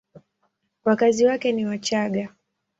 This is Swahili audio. Wakazi wake ni Wachagga.